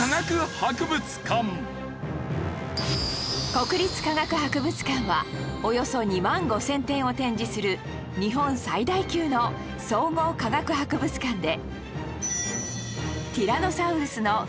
国立科学博物館はおよそ２万５０００点を展示する日本最大級の総合科学博物館で